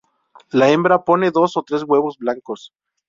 La hembra pone dos o tres huevos blancos.